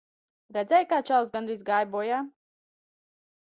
Redzēji, kā čalis gandrīz gāja bojā.